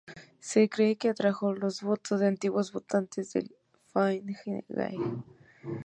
Se cree que atrajo los votos de antiguos votantes del Fine Gael.